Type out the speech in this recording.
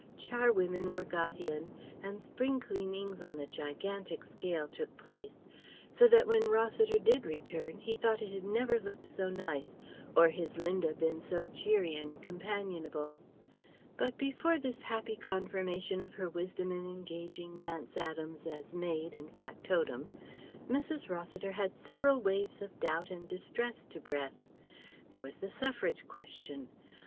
Charwomen were got in, and spring cleanings on a gigantic scale took place, so that when Rossiter did return he thought it had never looked so nice, or his Linda been so cheery and companionable. But before this happy confirmation of her wisdom in engaging Nance Adams as maid and factotum, Mrs. Rossiter had several waves of doubt and distress to breast. There was the Suffrage question.